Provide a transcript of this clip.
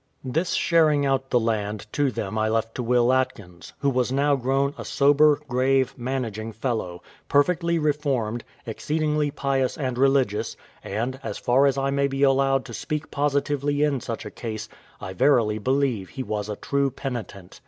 This sharing out the land to them I left to Will Atkins, who was now grown a sober, grave, managing fellow, perfectly reformed, exceedingly pious and religious; and, as far as I may be allowed to speak positively in such a case, I verily believe he was a true penitent.